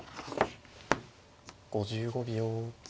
５５秒。